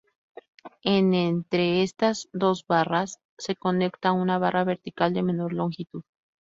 En entre estas dos barras, se conecta una barra vertical de menor longitud.